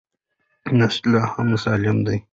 نسج لا هم سالم دی.